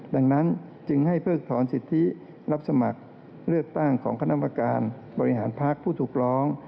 ดังนั้นจึงให้เพิกถอนสิทธิรับสมัครเลือกตั้งของคณะกรรมการบริหารพักผู้ถูกร้อง